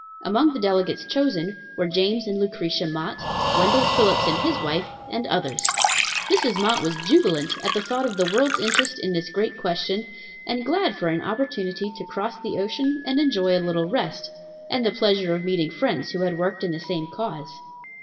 Among the delegates chosen were James and Lucretia Mott, Wendell Phillips and his wife, and others. Mrs. Mott was jubilant at the thought of the world's interest in this great question, and glad for an opportunity to cross the ocean and enjoy a little rest, and the pleasure of meeting friends who had worked in the same cause.